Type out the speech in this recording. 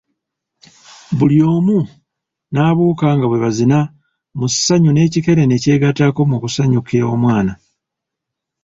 Buli omu n'abuuka nga bwe bazina musanyu n'ekikere ne kyegatako mu kusanyukira omwana.